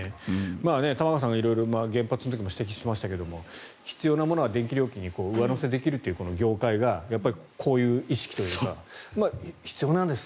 玉川さんが色々原発の時も指摘していましたが必要なものは電気料金に上乗せできるという業界がこういう意識というか必要なんです